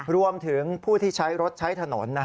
รวมถึงผู้ที่ใช้รถใช้ถนน